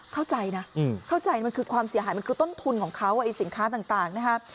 เข้าใจนะมันคือความเสียหายมันคือต้นทุนของเค้าสินค้าต่าง